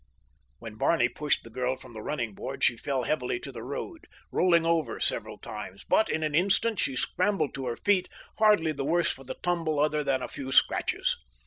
When Barney pushed the girl from the running board she fell heavily to the road, rolling over several times, but in an instant she scrambled to her feet, hardly the worse for the tumble other than a few scratches.